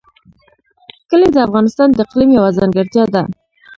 کلي د افغانستان د اقلیم یوه ځانګړتیا ده.